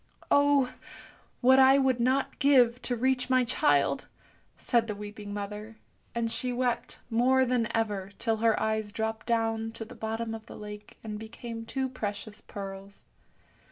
" Oh, what would I not give to reach my child! " said the weeping mother, and she wept more than ever, till her eyes dropped down to the bottom of the lake and became two precious pearls.